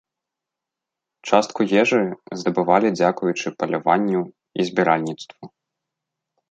Частку ежы здабывалі дзякуючы паляванню і збіральніцтву.